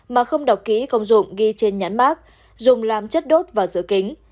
mà không đọc ký công dụng ghi trên nhãn bác dùng làm chất đốt và sửa kính